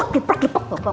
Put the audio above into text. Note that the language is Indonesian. gepak gepak gepak